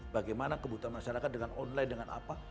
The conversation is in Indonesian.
bagaimana kebutuhan masyarakat dengan online dengan apa